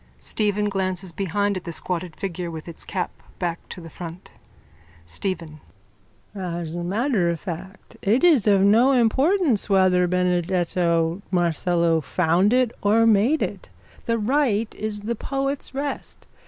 Stephen glances behind at the squatted figure with its cap back to the front.)_ STEPHEN: As a matter of fact it is of no importance whether Benedetto Marcello found it or made it. The rite is the poet's rest.